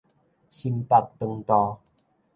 心腹腸肚